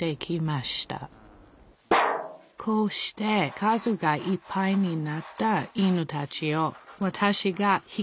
こうして数がいっぱいになった犬たちをわたしが引き取ることにしました